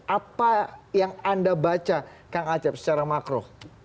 apa yang anda baca kang acep secara makro